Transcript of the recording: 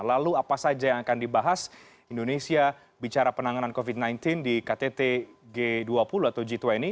lalu apa saja yang akan dibahas indonesia bicara penanganan covid sembilan belas di ktt g dua puluh atau g dua puluh